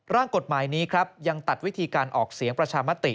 ร่างกฎหมายนี้ครับยังตัดวิธีการออกเสียงประชามติ